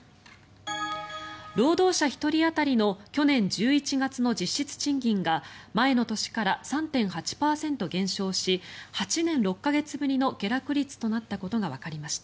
労働者１人当たりの去年１１月の実質賃金が前の年から３．８％減少し８年６か月ぶりの下落率となったことがわかりました。